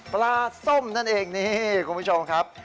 ปลาส้มนั่นเองนี่คุณผู้ชมครับ